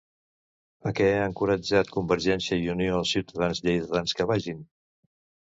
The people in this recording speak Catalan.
A què ha encoratjat Convergiència i Unió als ciutadans lleidatans que vagin?